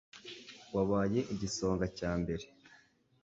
wabaye igisonga cya mbere